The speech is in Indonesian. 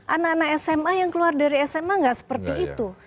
anak anak sma yang keluar dari sma nggak seperti itu